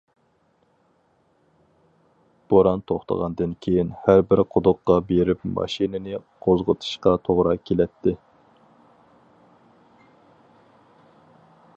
بوران توختىغاندىن كېيىن ھەر بىر قۇدۇققا بېرىپ ماشىنىنى قوزغىتىشقا توغرا كېلەتتى.